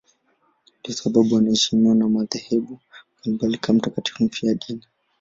Ndiyo sababu anaheshimiwa na madhehebu mbalimbali kama mtakatifu mfiadini.